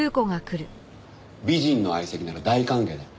美人の相席なら大歓迎だ。